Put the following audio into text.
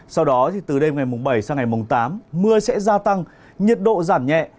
sau đó từ đêm ngày bảy sang ngày tám mưa sẽ gia tăng nhiệt độ giảm nhẹ